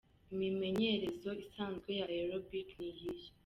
Imyimenyerezo isanzwe ya ' aerobic' n'iyihe?.